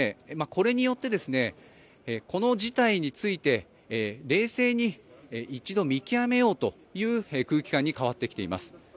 これによって、この事態について冷静に一度見極めようという空気感に変わってきています。